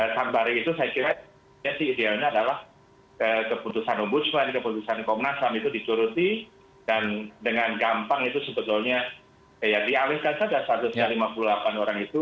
sambal itu saya kira ya sih idealnya adalah keputusan obus keputusan komnasam itu dicuruti dan dengan gampang itu sebetulnya ya dialihkan saja satu ratus lima puluh delapan orang itu